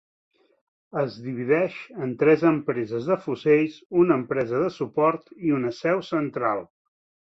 Es divideix en tres empreses de fusells, una empresa de suport i una seu central.